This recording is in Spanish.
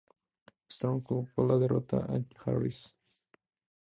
Storm culpó de la derrota a Harris.